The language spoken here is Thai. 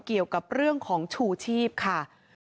เกี่ยวกับเรื่องของชูชีพค่ะ